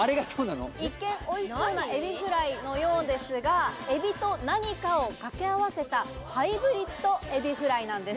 一見美味しそうなエビフライのようですが、海老と何かをかけあわせたバイブリットエビフライなんです。